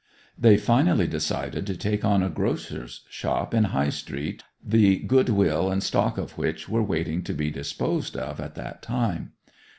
They finally decided to take on a grocer's shop in High Street, the goodwill and stock of which were waiting to be disposed of at that time.